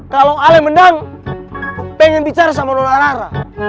kalau ale menang pengen bicara sama lola lara